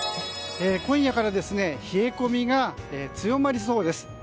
今夜から冷え込みが強まりそうです。